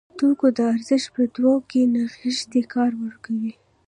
توکو ته ارزښت په دوی کې نغښتی کار ورکوي.